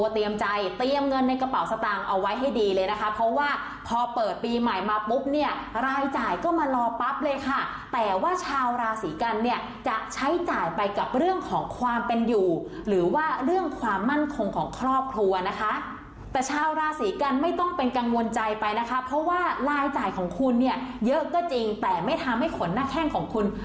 เตรียมใจเตรียมเงินในกระเป๋าสตางค์เอาไว้ให้ดีเลยนะคะเพราะว่าพอเปิดปีใหม่มาปุ๊บเนี่ยรายจ่ายก็มารอปั๊บเลยค่ะแต่ว่าชาวราศีกันเนี่ยจะใช้จ่ายไปกับเรื่องของความเป็นอยู่หรือว่าเรื่องความมั่นคงของครอบครัวนะคะแต่ชาวราศีกันไม่ต้องเป็นกังวลใจไปนะคะเพราะว่ารายจ่ายของคุณเนี่ยเยอะก็จริงแต่ไม่ทำให้ขนหน้าแข้งของคุณ